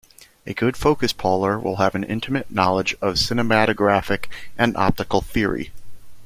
A good focus puller will have an intimate knowledge of cinematographic and optical theory.